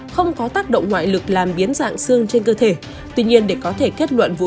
không có tác động ngoại lực làm biến dạng xương trên cơ thể